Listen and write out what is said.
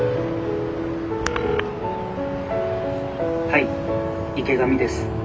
☎「はい池上です。